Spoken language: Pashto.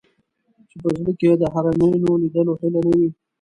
چې په زړه کې یې د حرمینو لیدلو هیله نه وي.